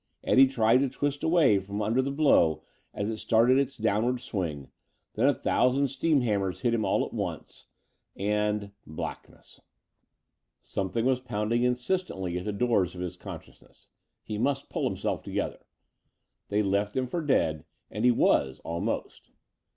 Eddie tried to twist away from under the blow as it started its downward swing, then a thousand steam hammers hit him all at once and ... blackness.... Something was pounding insistently at the doors of his consciousness. He must pull himself together! They'd left him for dead and he was almost.